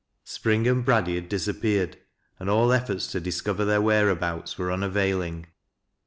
Spring and Braddy had disap peared, and all efforts to discover their whereabouts were luiavailing.